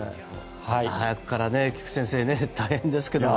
早くから菊地先生大変ですけどね。